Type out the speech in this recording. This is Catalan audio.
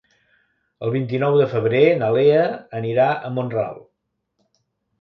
El vint-i-nou de febrer na Lea anirà a Mont-ral.